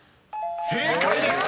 ［正解です！］